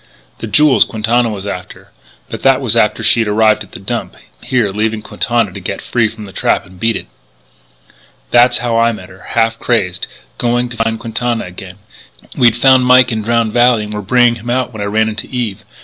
"The jewels Quintana was after. But that was after she'd arrived at the Dump, here, leaving Quintana to get free of the trap and beat it. "That's how I met her half crazed, going to find Quintana again. We'd found Mike in Drowned Valley and were bringing him out when I ran into Eve....